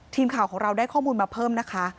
ทีมข่าวของเราได้ข้อมูลมาเพิ่มนะคะ